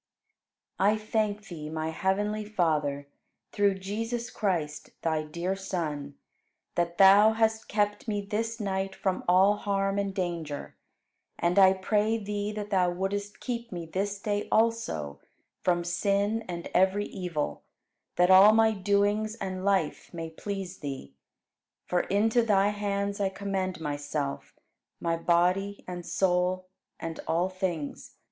18. I thank Thee, my heavenly Father, through Jesus Christ, Thy dear Son, that Thou hast kept me this night from all harm and danger; and I pray Thee that Thou wouldst keep me this day also from sin and every evil, that all my doings and life may please Thee. For into Thy hands I commend myself, my body and soul, and all things.